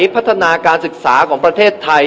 พัฒนาการศึกษาของประเทศไทย